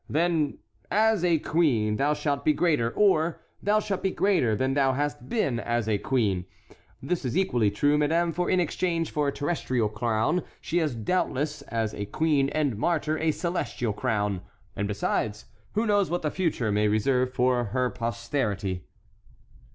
Then—As a queen thou shalt be greater; or, Thou shalt be greater than thou hast been as a queen. This is equally true, madame; for in exchange for a terrestrial crown she has doubtless, as a queen and martyr, a celestial crown; and, besides, who knows what the future may reserve for her posterity?"